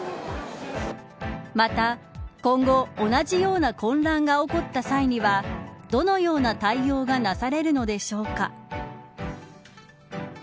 また、今後同じような混乱が起こった際にはどのような対応がなされるのでしょうか。